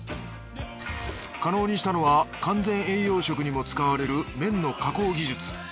可能にしたのは完全栄養食にも使われる麺の加工技術。